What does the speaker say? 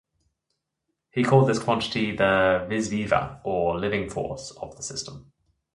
He called this quantity the "vis viva" or "living force" of the system.